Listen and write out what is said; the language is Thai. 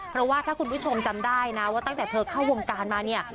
เพราะว่าถ้าคุณผู้ชมจำได้นะว่าตั้งแต่เธอเข้าวงการมาเนี่ย